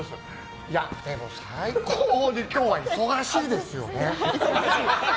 いや、でも最高に今日は忙しいですよね。